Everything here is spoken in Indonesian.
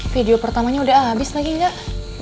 video pertamanya udah abis lagi enggak